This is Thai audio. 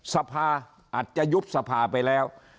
สภาอาจจะยุบสภาไปแล้ว